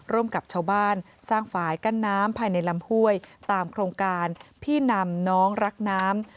ร่วมกับชาวบ้านสร้างฝ่ายกั้นน้ำภายในลำห้วยตามโครงการพี่นำน้องรักน้ำ